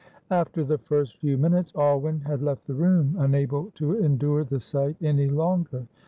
After the first few minutes Alwyn had left the room, unable to endure the sight any longer.